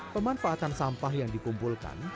pemanfaatan sampah yang dikumpulkan